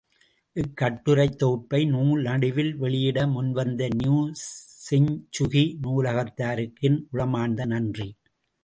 இக்கட்டுரைத் தொகுப்பை நூல் வடிவில் வெளியிட முன்வந்த நியூ செஞ்சுசி நூலகத்தாருக்கு என் உளமார்ந்த நன்றி.